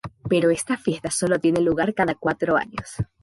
Pero esta fiesta solo tiene lugar cada cuatro años.